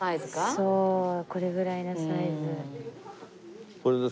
そうこれぐらいのサイズ。